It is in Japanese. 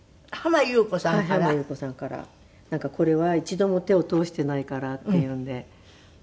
これは一度も手を通していないからっていうんで。